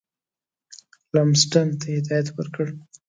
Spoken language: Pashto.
لمسډن ته هدایت ورکړ.